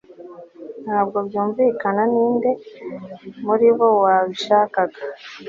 Ntabwo byumvikana ninde muri bo wabishakaga